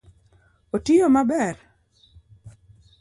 Otiyo maber?